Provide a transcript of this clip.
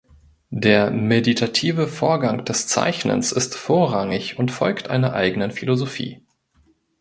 Der meditative Vorgang des Zeichnens ist vorrangig und folgt einer eigenen Philosophie.